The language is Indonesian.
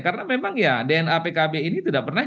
karena memang ya dna pkb ini tidak pernah jatuh